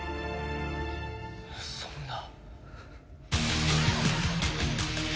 そんな。